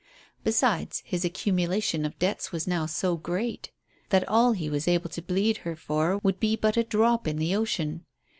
Besides, his accumulation of debts was now so great that all he was able to bleed her for would be but a drop in the ocean.